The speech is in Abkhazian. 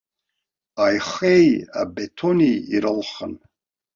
Аихеи абетони ирылхын.